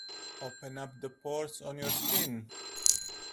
Open up the pores on your skin.